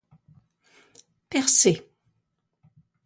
Percée!